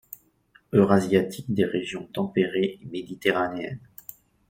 Eurasiatique des régions tempérées et méditerranéennes.